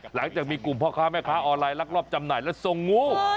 หลังจากมีกลุ่มพ่อค้าแม่ค้าออนไลน์ลักลอบจำหน่ายและส่งงู